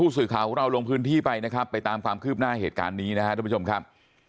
พูดสื่อข่าวของเราลงพื้นที่ไปนะครับไปตามความคืบหน้าเหตุการณ์นี้นะครับ